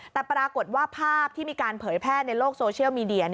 แต่ปรากฏว่าภาพที่มีการเผยแพร่ในโลกโซเชียลมีเดีย